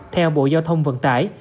theo bộ giao thông vận tải